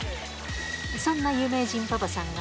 そんな有名人パパさんが